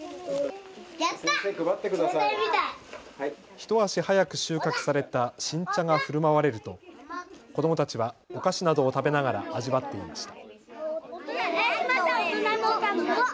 一足早く収穫された新茶がふるまわれると子どもたちはお菓子などを食べながら味わっていました。